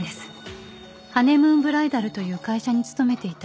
ハネムーンブライダルという会社に勤めていた